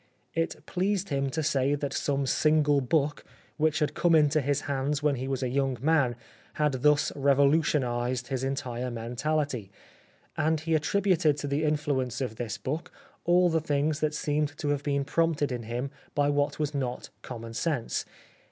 It pleased him to say that some single book, which had com.e into his hands when he was a young man, had thus revolutionised his entire mentality ; and he attributed to the influence of this book all the things that seemed to have been prompted in him by what was not common sense.